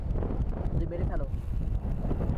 ওদের মেরে ফেল।